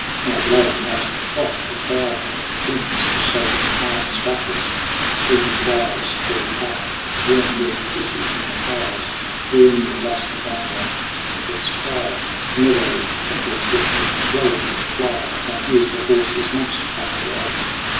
Now blowing at the trough the plow team drinks; The shaken harness rattles. Sleepy quails Call far. The warm milk hisses in the pails There in the dusky barn lot. Crickets cry. The meadow twinkles with the glowing fly. One hears the horses munching at their oats.